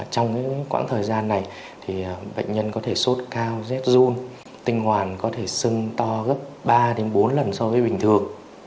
trong khoảng thời gian này bệnh nhân có thể sốt cao rét run tinh hoàn có thể sưng to gấp ba bốn lần so với bình thường